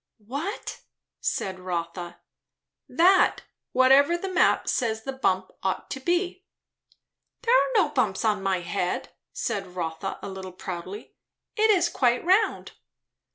"What?" said Rotha. "That; whatever the map says the bump ought to be." "There are no bumps on my head," said Rotha a little proudly; "it is quite round."